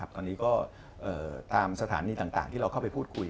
ตอนนี้ก็ตามสถานีต่างที่เราเข้าไปพูดคุย